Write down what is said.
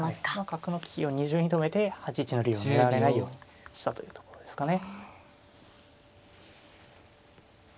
角の利きを二重に止めて８一の竜を狙われないようにしたというところですかね。